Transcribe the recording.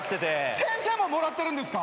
先生ももらってるんですか？